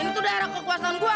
ini tuh daerah kekuasaan gua